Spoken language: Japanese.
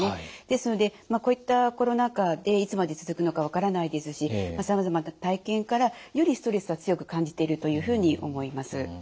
ですのでこういったコロナ禍でいつまで続くのか分からないですしさまざまな体験からよりストレスは強く感じているというふうに思います。